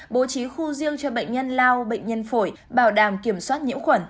bố trí khu riêng cho bệnh nhân lao bệnh nhân phổi bảo đảm kiểm soát nhiễm khuẩn